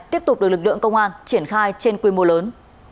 tiếp tục được lực lượng công an triển khai trên quy mô lớn